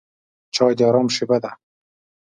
چای د آرام شېبه ده.